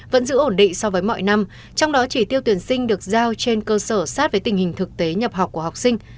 vẫn giữ ổn định so với mọi năm trong đó chỉ tiêu tuyển sinh được giao trên cơ sở sát với tình hình thực tế nhập học của học sinh